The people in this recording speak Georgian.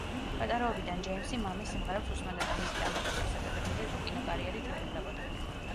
პატარაობიდან ჯეიმსი მამის სიმღერებს უსმენდა და მისი წარმატებული სატელევიზიო თუ კინოკარიერით იხიბლებოდა.